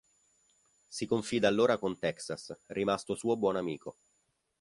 Si confida allora con Texas, rimasto suo buon amico.